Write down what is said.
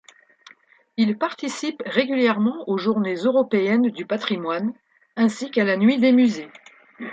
Il participe régulièrement aux Journées européennes du patrimoine, ainsi qu’à la Nuit des musées.